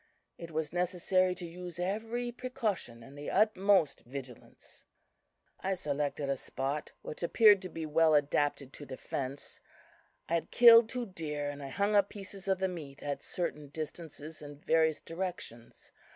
It was necessary to use every precaution and the utmost vigilance. "I selected a spot which appeared to be well adapted to defense. I had killed two deer, and I hung up pieces of the meat at certain distances in various directions.